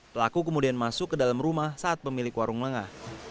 pelaku kemudian masuk ke dalam rumah saat pemilik warung lengah